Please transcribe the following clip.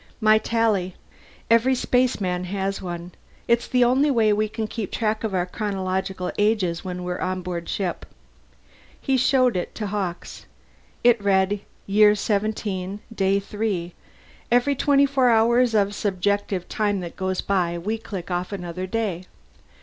"My Tally. Every spaceman has one. It's the only way we can keep track of our chronological ages when we're on board ship." He showed it to Hawkes; it read Year 17 Day 3. "Every twenty four hours of subjective time that goes by, we click off another day.